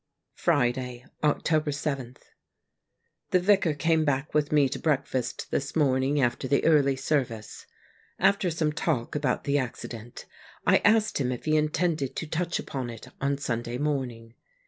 Friday, October 7. — The Vicar came back with me to breakfast this morning after the early service. After some talk about the accident, I asked him if he intended to touch upon it on Sunday morning.